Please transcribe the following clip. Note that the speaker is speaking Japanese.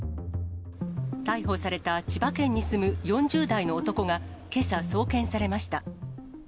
逮捕された千葉県に住む４０代の男が、けさ、送検されました。